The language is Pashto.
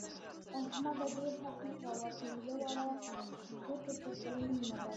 احمده! ډېر حرص مه کوه؛ پينځه واړه ګوتې پر خوله مه ننباسه.